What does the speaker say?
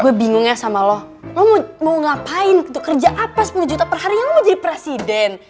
gue bingung ya sama lo lo mau ngapain gitu kerja apa sepuluh juta perharinya lo mau jadi presiden